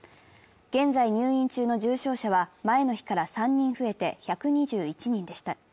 現在入院中の重症者は前の日から３人増えて１２１人でした。